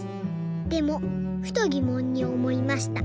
でもふとぎもんにおもいました。